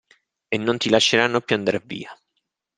E non ti lasceranno più andar via.